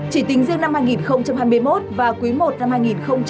chỉ tính riêng năm hai nghìn hai mươi một và cuối một năm hai nghìn hai mươi hai